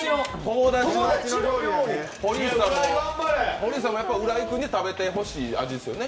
堀内さんも浦井君に食べてほしい味ですよね。